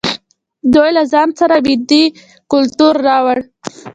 دوی له ځان سره ویدي کلتور راوړ.